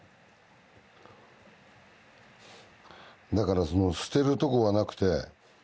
だからその捨てるとこがなくて。